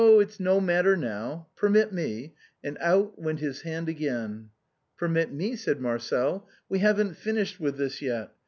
it's no matter now. Permit me "— and out went his hand again. " Permit me," said Marcel ;" we haven't finished with this yet.